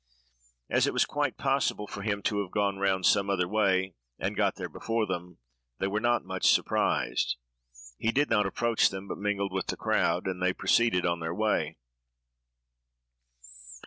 As it was quite possible for him to have gone round some other way, and got there before them, they were not much surprised. He did not approach them, but mingled with the crowd, while they proceeded on their way.